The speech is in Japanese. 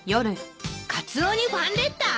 カツオにファンレター！？